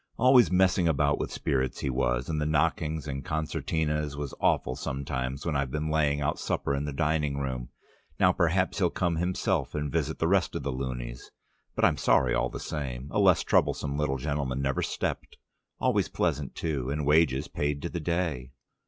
"Always messing about with spirits he was, and the knockings and concertinas was awful sometimes when I've been laying out supper in the dining room. Now perhaps he'll come himself and visit the rest of the loonies. But I'm sorry all the same. A less troublesome little gentleman never stepped. Always pleasant, too, and wages paid to the day."